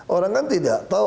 orang kan tidak tahu